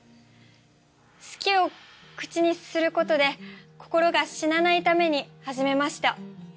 好きを口にすることで心が死なないために始めました。